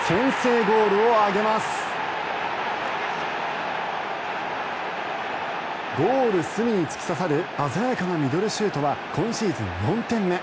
ゴール隅に突き刺さる鮮やかなミドルシュートは今シーズン４点目。